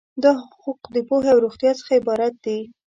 دا حقوق د پوهې او روغتیا څخه عبارت دي.